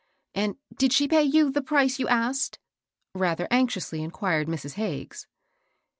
" And did she pay you the price you asked ?" rather anxiously inquired Mrs. Hagges.